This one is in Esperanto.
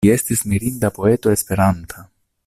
Li estis mirinda poeto Esperanta.